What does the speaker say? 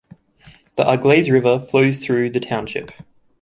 The Auglaize River flows through the township.